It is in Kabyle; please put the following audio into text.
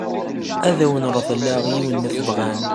Ad awen-reḍleɣ yiwen ma tebɣam.